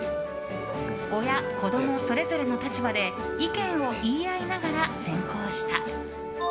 親、子供それぞれの立場で意見を言い合いながら選考した。